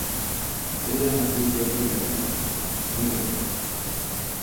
Rɨama guille guiakañede, nɨɨde.